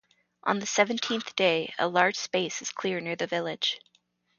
On the seventeenth day a large space is clear near the village.